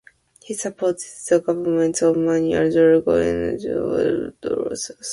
He supported the governments of Manuel Dorrego and Juan Manuel de Rosas.